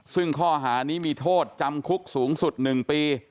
ซึ่งข้อหานี้มีโทษจำคุกสูงสุด๑ปี